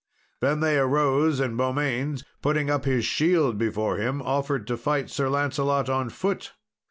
Then they arose, and Beaumains, putting up his shield before him, offered to fight Sir Lancelot, on foot.